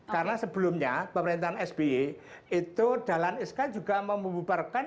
karena sebelumnya pemerintahan sbi itu dalhan iskand juga membubarkan